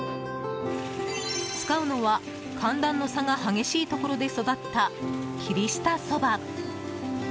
使うのは、寒暖の差が激しいところで育った霧下そば。